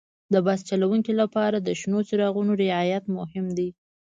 د بس چلوونکي لپاره د شنو څراغونو رعایت مهم دی.